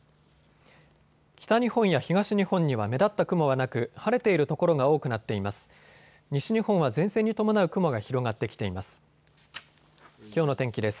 北日本や東日本には目立った雲はなく晴れている所が多くなっています。